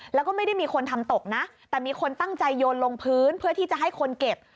แล้วก็ไม่ได้มีคนทำตกนะแต่มีคนตั้งใจโยนลงพื้นเพื่อที่จะให้คนเก็บ